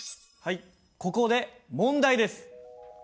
ここで問題です。